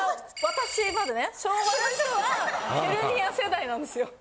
私までね昭和の人はヘルニア世代なんですよ。